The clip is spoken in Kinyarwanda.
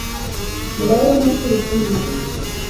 ndabona turi kumwe